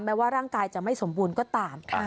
ว่าร่างกายจะไม่สมบูรณ์ก็ตาม